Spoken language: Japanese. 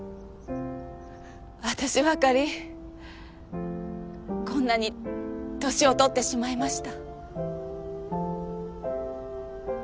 私ばかりこんなに年をとってしまいました。